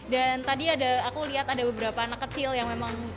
dan tadi aku lihat ada beberapa anak kecil yang memang menarik banget ya